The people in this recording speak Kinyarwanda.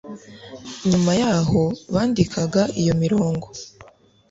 nyuma yaho bandikaga iyo mirongo